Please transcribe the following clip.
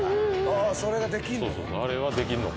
それができんの？